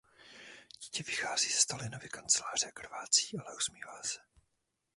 Dítě vychází ze Stalinovy kanceláře a krvácí, ale usmívá se.